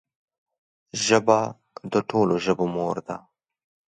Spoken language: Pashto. ژبه د ټولو ژبو مور ده